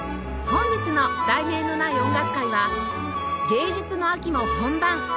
本日の『題名のない音楽会』は芸術の秋も本番！